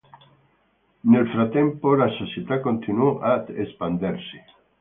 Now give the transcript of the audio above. Nel frattempo la società continuò ad espandersi.